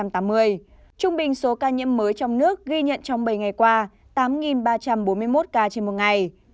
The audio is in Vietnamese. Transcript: trung bình số ca nhiễm mới trong nước ghi nhận trong bảy ngày qua tám ba trăm bốn mươi một ca trên một ngày